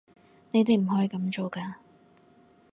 你哋唔可以噉做㗎